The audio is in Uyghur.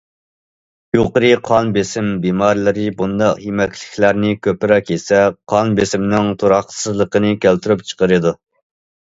يۇقىرى قان بېسىم بىمارلىرى بۇنداق يېمەكلىكلەرنى كۆپرەك يېسە، قان بېسىمنىڭ تۇراقسىزلىقىنى كەلتۈرۈپ چىقىرىدۇ.